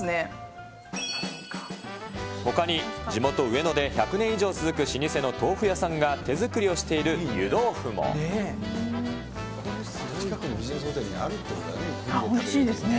ほかに地元、上野で１００年以上続く老舗の豆腐屋さんが手作りをしている湯豆おいしいですね。